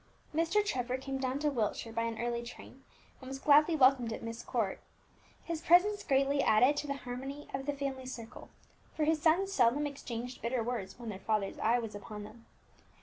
Mr. Trevor came down to Wiltshire by an early train, and was gladly welcomed at Myst Court. His presence greatly added to the harmony of the family circle; for his sons seldom exchanged bitter words when their father's eye was upon them.